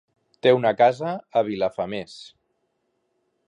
Té una casa a Vilafamés.